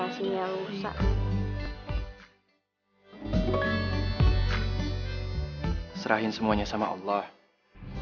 aku juga lagi setidaknya keras liat dogs game